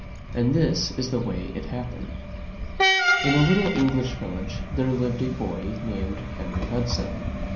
And this is the way it happened: In a little English village there lived a boy named Henry Hudson.